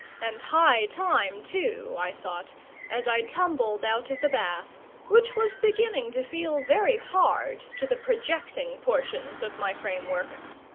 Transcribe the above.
And high time too, I thought, as I tumbled out of the bath, which was beginning to feel very hard to the projecting portions of my frame work.